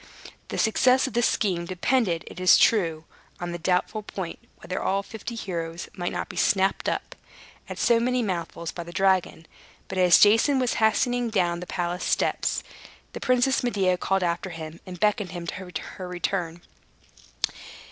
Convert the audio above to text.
The success of this scheme depended, it is true, on the doubtful point whether all the fifty heroes might not be snapped up, at so many mouthfuls, by the dragon. But, as Jason was hastening down the palace steps, the Princess Medea called after him, and beckoned him to return.